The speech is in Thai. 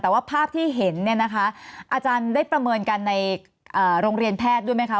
แต่ว่าภาพที่เห็นเนี่ยนะคะอาจารย์ได้ประเมินกันในโรงเรียนแพทย์ด้วยไหมคะ